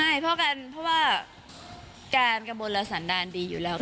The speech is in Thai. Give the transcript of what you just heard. ไม่เพราะกันเพราะว่าการกระโบรสรรดาดีอยู่แล้ว